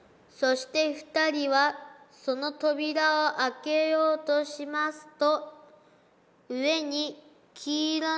「そして二人はその扉をあけようとしますと」。